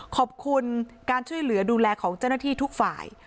ขอบคุณการช่วยเหลือดูแลของเจ้าหน้าที่ทุกฝ่าย